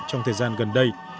trong thời gian gần đây